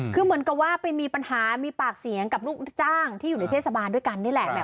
คือเหมือนกับว่าไปมีปัญหามีปากเสียงกับลูกจ้างที่อยู่ในเทศบาลด้วยกันนี่แหละ